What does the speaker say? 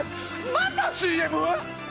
またＣＭ？